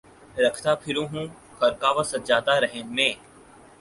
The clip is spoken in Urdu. رکھتا پھروں ہوں خرقہ و سجادہ رہن مے